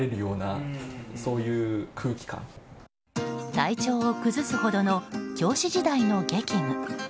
体調を崩すほどの教師時代の激務。